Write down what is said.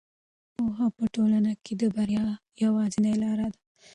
پوهه په ټولنه کې د بریا یوازینۍ لاره ده.